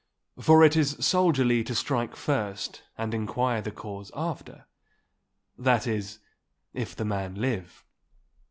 For it is soldierly to strike first and inquire the cause after—that is, if the man live.